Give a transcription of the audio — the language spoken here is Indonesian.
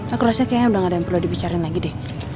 aku rasa kayaknya udah gak ada yang perlu dibicarain lagi deh